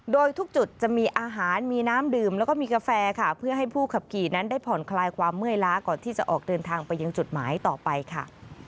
โดยทุกจุดจะมีอาหารมีน้ำดื่มแล้วก็มีกาแฟค่ะเพื่อให้ผู้ขับขี่นั้นได้ผ่อนคลายความเมื่อยล้าก่อนที่จะออกเดินทางไปยังจุดหมายต่อไปค่ะ